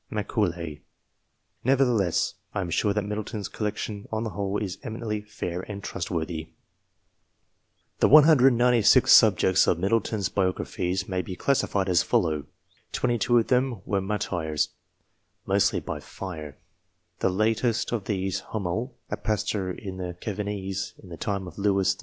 (Macaulay.) Nevertheless, I am sure that Middleton's collection, on the whole, is eminently fair and trustworthy. The 196 subjects of Middleton's biographies may be classified as follow : 22 of them were martyrs, mostly 252 DIVINES by fire; the latest of these Homel, a pastor in the Cevennes in the time of Louis XIV.